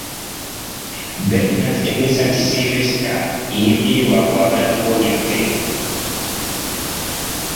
Ben n'atutegeeza nti Silver yebbye lwa kwagala kuwonya ffe.